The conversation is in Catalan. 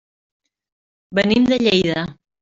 Venim de Lleida.